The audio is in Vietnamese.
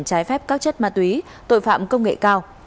trái phép các chất ma túy tội phạm công nghệ cao